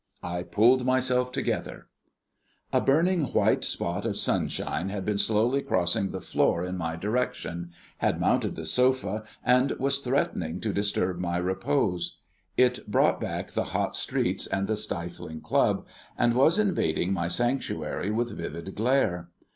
I pulled myself together. A burning white spot of sunshine had been slowly crossing the floor in my direction, had mounted the sofa, and was threatening to disturb my repose. It brought back the hot streets and the stifling club, and was invading my sanctuary with vivid glare.